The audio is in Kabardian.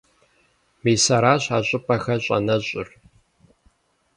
Мис аращ а щӀыпӀэхэр щӀэнэщӀыр.